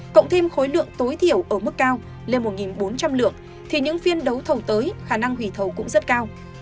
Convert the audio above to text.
cộng thêm khối lượng tối thiểu ở mức cao lên một bốn trăm linh lượng thì những phiên đấu thầu tới khả năng hủy thầu cũng rất cao